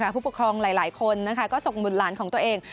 ผู้ปกครองหลายคนก็ส่งบุตรหลานของตัวเอง